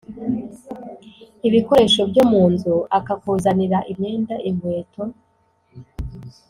Ibikoresho byomunzu akakuzanira imyenda inkweto